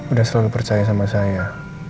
udah selalu percaya sama saya